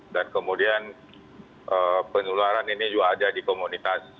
dan kemudian penularan ini juga ada di komunitas